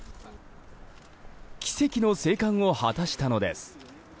奇跡の生還を果たしたのです。